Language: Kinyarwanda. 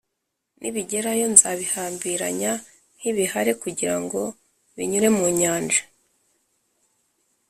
nibigerayo nzabihambiranya nk’ibihare kugira ngo binyure mu Nyanja